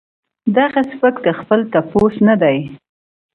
دغه سپک د خپل تپوس نۀ دي